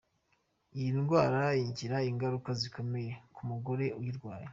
Iyi ndwara ingira ingaruka zikomeye ku mugore uyirwaye.